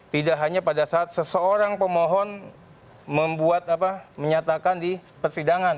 tidak hanya pada saat seseorang pemohon membuat apa menyatakan di persidangan